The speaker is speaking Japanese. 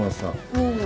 うん。